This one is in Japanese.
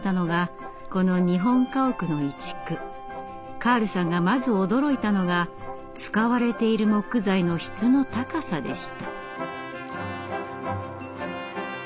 カールさんがまず驚いたのが使われている木材の質の高さでした。